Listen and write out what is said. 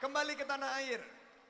kembali ke tanah air